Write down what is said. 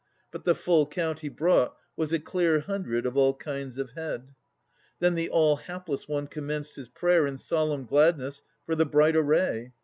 But the full count he brought Was a clear hundred of all kinds of head. Then the all hapless one commenced his prayer In solemn gladness for the bright array.